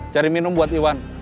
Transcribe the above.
cari minum buat iwan